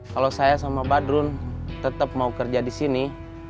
kalau saya sama badrun tetap mau kerja di sini